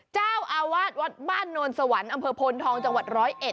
เจ้าอาวาสวัดบ้านโนนสวรรค์อำเภอโพนทองจังหวัดร้อยเอ็ด